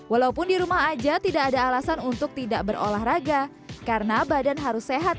walaupun di rumah aja tidak ada alasan untuk tidak berolahraga karena badan harus sehat